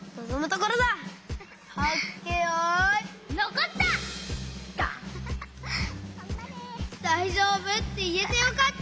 こころのこえ「だいじょうぶ？」っていえてよかった！